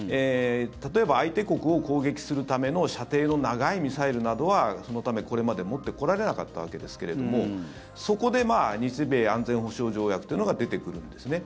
例えば、相手国を攻撃するための射程の長いミサイルなどはそのため、これまで持ってこられなかったわけですがそこで日米安全保障条約というのが出てくるんですね。